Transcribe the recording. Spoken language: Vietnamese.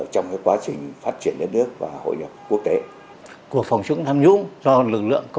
công tác đấu tranh phòng chống tham nhũng tiêu cực